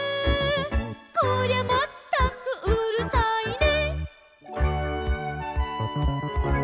「こりゃまったくうるさいね」